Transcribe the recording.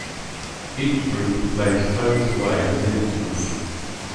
Each group plays home-and-away within its group.